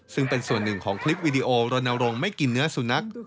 ซึ่งเป็นส่วนหนึ่งของคลิปวิดีโอรณรงค์ไม่กินเนื้อสุนัข